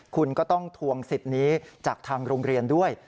คุณก็ต้องทวงสิทธิ์นี้จากทางโรงเรียนด้วย